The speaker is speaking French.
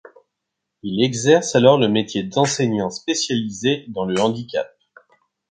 Il exerce alors le métier d’enseignant spécialisé dans le handicap.